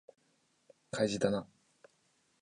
開示だな